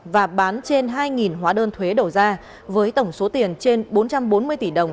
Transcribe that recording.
và bán trên hai hóa đơn thuế đầu ra với tổng số tiền trên bốn trăm bốn mươi tỷ đồng